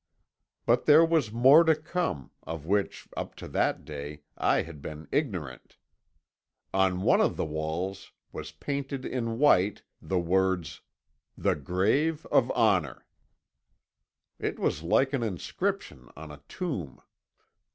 "But there was more to come, of which, up to that day, I had been ignorant. On one of the walls was painted in white, the words, "'The Grave Of Honour.' "It was like an inscription on a tomb.